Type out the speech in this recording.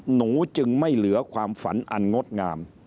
หนูจึงไม่เหลือความฝันอันงดงาม